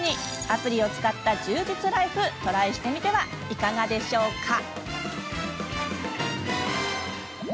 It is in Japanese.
アプリを使った充実ライフトライしてみてはいかがでしょうか？